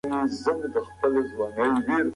وګړپوهنه د لومړنیو اقوامو په اړه معلومات ورکوي.